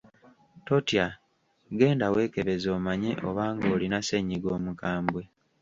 Totya, genda weekebeze omanye oba ng’olina ssennyiga omukambwe.